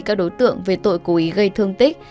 các đối tượng về tội cố ý gây thương tích